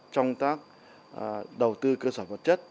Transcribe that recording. trong các đầu tư cơ sở vật chất